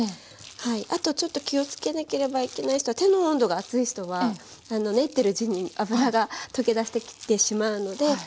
あとちょっと気をつけなければいけない人は手の温度が熱い人は練ってるうちに脂が溶けだしてきてしまうので素早く。